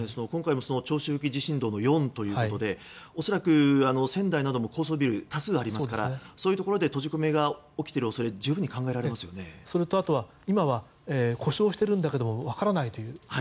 今回も長周期地震動の４ということで恐らく仙台なども高層ビル多数ありますからそういうところで閉じ込めが起きている恐れそれと今は故障しているけども分からないという。